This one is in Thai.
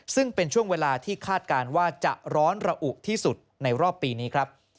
ซึ่งเป็นช่วงเวลาที่คาดการณ์ว่าจะร้อนระอุที่สุดในรอบปีนี้ครับ